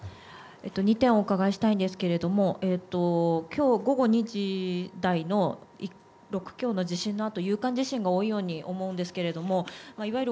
２点お伺いしたいんですけれどもきょう午後２時台の６強の地震のあと、有感地震が多いように思うんですけれどいわゆる